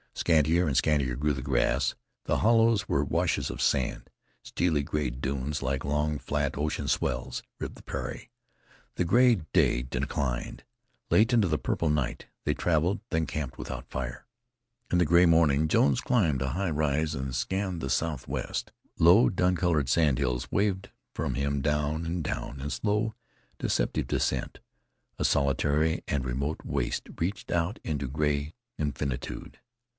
Scantier and scantier grew the grass; the hollows were washes of sand; steely gray dunes, like long, flat, ocean swells, ribbed the prairie. The gray day declined. Late into the purple night they traveled, then camped without fire. In the gray morning Jones climbed a high ride and scanned the southwest. Low dun colored sandhills waved from him down and down, in slow, deceptive descent. A solitary and remote waste reached out into gray infinitude.